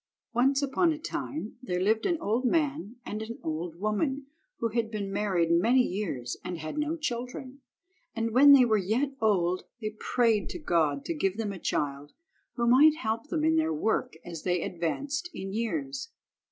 ONCE upon a time there lived an old man and an old woman, who had been married many years and had no children, and when they were yet old they prayed to God to give them a child who might help them in their work as they advanced in years.